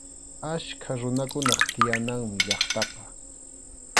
Achka runakunap tiyananmi llaqtaqa.